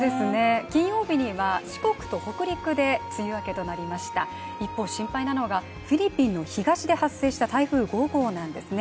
金曜日には四国と北陸で梅雨明けとなりました一方、心配なのがフィリピンの東で発生した台風５号なんですね。